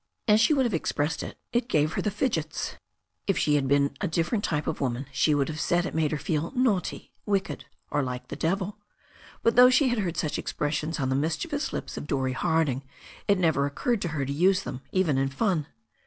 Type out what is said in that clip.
As she would have ex pressed it, it gave her the fidgets. If she had been a dif ferent type of woman she would have said it made her feel "naughty," "wicked," or "like the devil"; but, though she had heard such expressions on the mischievous lips of Dorrie Harding, it never occurred to her to use them, even in fun.